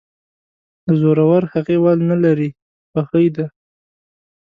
د زورورهغې ول نه لري ،بخۍ دى.